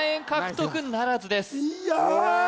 いや！